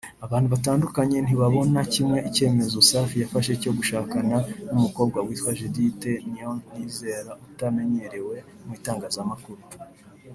Abantu batandukanye ntibabona kimwe icyemezo Safi yafashe cyo gushakana n’ umukobwa witwa Judith Niyonizera utamenyerewe mu itanagazamakuru